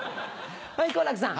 はい好楽さん。